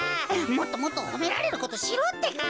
もっともっとほめられることしろってか。